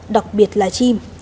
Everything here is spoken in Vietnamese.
đặc biệt là chim